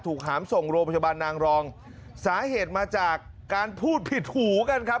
หามส่งโรงพยาบาลนางรองสาเหตุมาจากการพูดผิดหูกันครับ